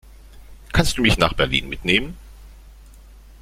Kannst du mich nach Berlin mitnehmen?